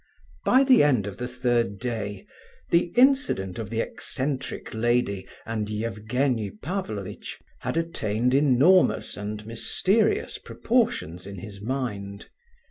By the end of the third day the incident of the eccentric lady and Evgenie Pavlovitch had attained enormous and mysterious proportions in his mind.